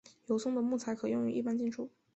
油松的木材可用于一般建筑。